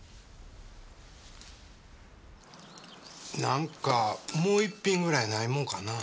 なんかもう一品ぐらいないもんかな？